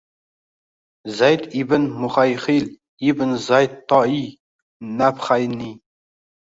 Zayd ibn Muhayhil ibn Zayd Toiy, Nabhaniy